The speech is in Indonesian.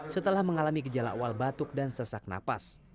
setelah mengalami gejala awal batuk dan sesak napas